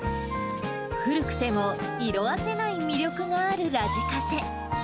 古くても、色あせない魅力のあるラジカセ。